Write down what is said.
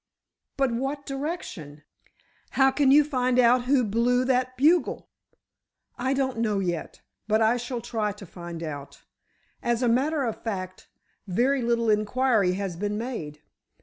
"But what direction? How can you find out who blew that bugle?" "I don't know yet, but I shall try to find out. As a matter of fact very little inquiry has been made.